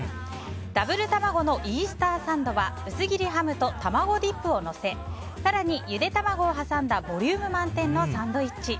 ダブル卵のイースターサンドは薄切りハムと卵ディップをのせ更に、ゆで卵を挟んだボリューム満点のサンドイッチ。